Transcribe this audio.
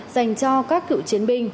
dành cho các cựu chiến binh